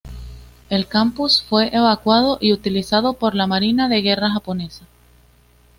El campus fue evacuado y utilizado por la Marina de guerra japonesa.